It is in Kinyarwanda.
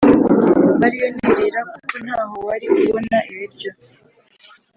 mbariyo nirira kuko ntaho wari kubona ibiryo